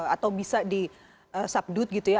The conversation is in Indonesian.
atau bisa di subdut gitu ya